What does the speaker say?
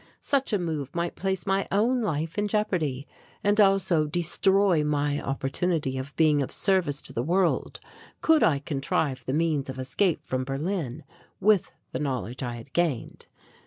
Such a move might place my own life in jeopardy and also destroy my opportunity of being of service to the world, could I contrive the means of escape from Berlin with the knowledge I had gained.